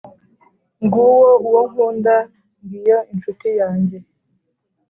Nguwo uwo nkunda, ngiyo incuti yanjye,